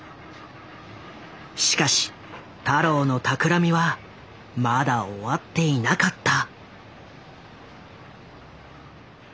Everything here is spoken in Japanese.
しかし太郎の企みはまだ終わっていなかった。